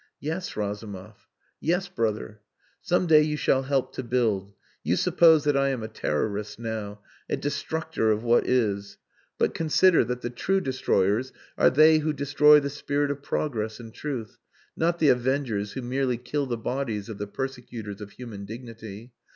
"Yes, Razumov. Yes, brother. Some day you shall help to build. You suppose that I am a terrorist, now a destructor of what is, But consider that the true destroyers are they who destroy the spirit of progress and truth, not the avengers who merely kill the bodies of the persecutors of human dignity.